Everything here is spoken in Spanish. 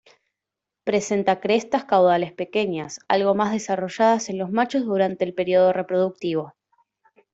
Presenta crestas caudales pequeñas, algo más desarrolladas en los machos durante el periodo reproductivo.